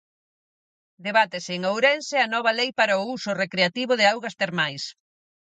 Debátese en Ourense a nova lei para o uso recreativo de augas termais.